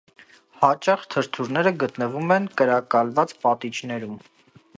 Հաճախ թրթուրները գտնվում են կրակալված պատիճներում։